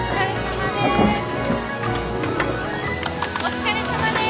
お疲れさまです。